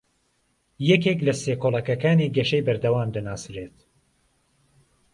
یەکێک لە سێ کۆڵەکەکانی گەشەی بەردەوام دەناسرێت